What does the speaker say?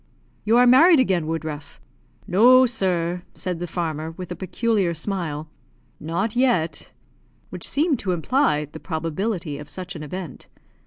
"You are married again, Woodruff?" "No, sir," said the farmer, with a peculiar smile; "not yet;" which seemed to imply the probability of such an event.